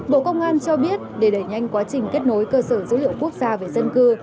bộ công an cho biết để đẩy nhanh quá trình kết nối cơ sở dữ liệu quốc gia về dân cư